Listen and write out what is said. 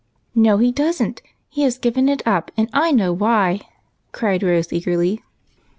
"No, he doesn't! He has given it up, and I know why," cried Rose eagerly.